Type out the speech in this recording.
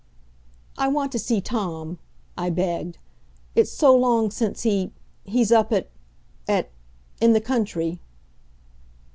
"I want to see Tom," I begged. "It's so long since he He's up at at in the country."